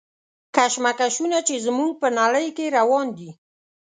کشمکشونه چې زموږ په نړۍ کې روان دي.